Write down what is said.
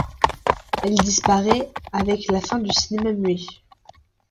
Elle disparaît avec la fin du cinéma muet.